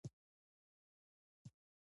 آريايي ژبه په شمالي او جنوبي څانگو وېشل شوې.